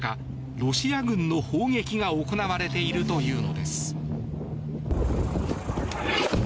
ロシア軍の砲撃が行われているというのです。